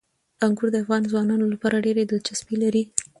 انګور د افغان ځوانانو لپاره ډېره دلچسپي لري.